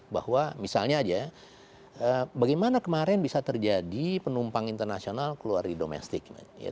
bahwa misalnya aja bagaimana kemarin bisa terjadi penumpang internasional keluar di domestik